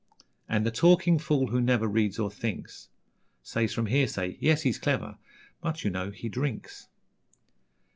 And the talking fool, who never Reads or thinks, Says, from hearsay: 'Yes, he's clever; But, you know, he drinks.'